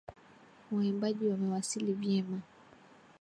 Waimbaji wamewasili vyema